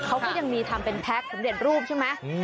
เขาก็ยังมีทำเป็นแพ็คสำเร็จรูปใช่ไหม